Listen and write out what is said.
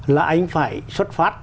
là anh phải xuất phát